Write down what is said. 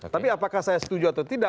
tapi apakah saya setuju atau tidak